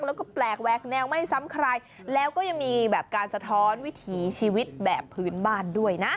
แล้วก็แปลกแวกแนวไม่ซ้ำใครแล้วก็ยังมีแบบการสะท้อนวิถีชีวิตแบบพื้นบ้านด้วยนะ